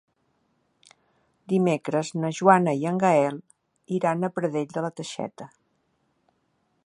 Dimecres na Joana i en Gaël iran a Pradell de la Teixeta.